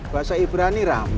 bahasa ibrani rame